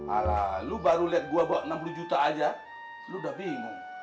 ala lu baru lihat gue bawa enam puluh juta aja lu udah bingung